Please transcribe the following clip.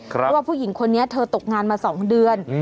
เพราะว่าผู้หญิงคนนี้เธอตกงานมา๒เดือน